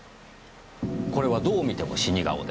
これはどう見ても死に顔です。